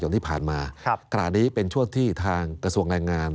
ที่ผ่านมาขณะนี้เป็นช่วงที่ทางกระทรวงแรงงาน